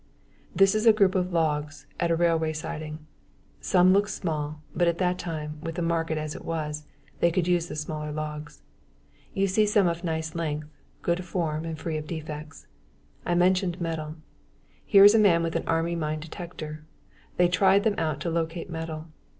This is a group of logs, at a railroad siding. Some look small, but at that time with the market as it was they could use the smaller logs. You see some of nice length, good form and free of defects. I mentioned metal. Here's a man with an Army mine detector. They tried them out to locate metal.